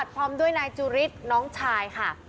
ที่ปรับพร้อมด้วยนายจุฬิศน้องชายค่ะ